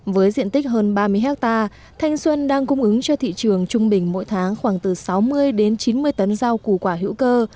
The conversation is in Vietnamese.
với diện tích hơn ba mươi hectare thanh xuân đang cung ứng cho thị trường trung bình mỗi tháng khoảng từ sáu mươi đến chín mươi tấn rau củ quả hữu cơ